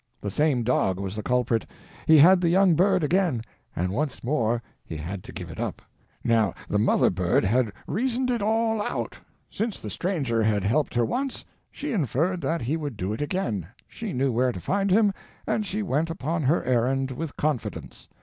The same dog was the culprit; he had the young bird again, and once more he had to give it up. Now the mother bird had reasoned it all out: since the stranger had helped her once, she inferred that he would do it again; she knew where to find him, and she went upon her errand with confidence.